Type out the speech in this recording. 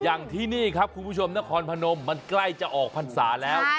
อย่างที่นี่ครับคุณผู้ชมนครพนมมันใกล้จะออกพรรษาแล้ว